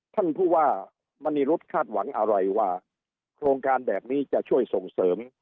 ท่านผู้ว่ามณีรุธคาดหวังอะไรว่าโครงการแบบนี้จะช่วยส่งเสริม